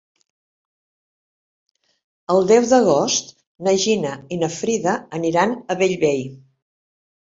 El deu d'agost na Gina i na Frida aniran a Bellvei.